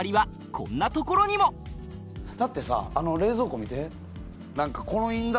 こんなところにもだってさあの冷蔵庫見て。